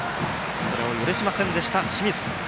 それを許しませんでした、清水。